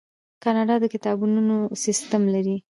کاناډا د کتابتونونو سیستم لري.